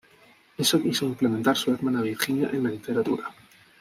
Eso quiso implementar su hermana Virginia en la literatura.